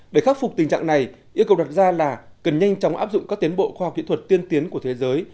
để khắc phục tình trạng này yêu cầu đặt ra là cần nhanh chóng áp dụng các tiến bộ khoa học kỹ thuật tiên tiến của thế giới